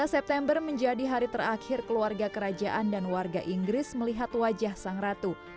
dua belas september menjadi hari terakhir keluarga kerajaan dan warga inggris melihat wajah sang ratu